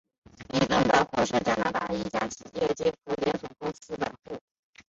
伊顿百货是加拿大一家已结业的连锁百货公司。